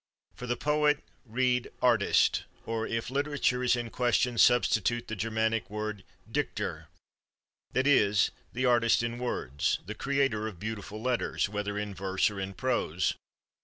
For poet, read artist, or, if literature is in question, substitute the Germanic word Dichter—that is, the artist in words, the creator of beautiful letters, whether in verse or in prose.